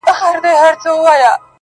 وعده پر رسېدو ده څوک به ځي څوک به راځي!